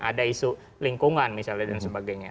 ada isu lingkungan misalnya dan sebagainya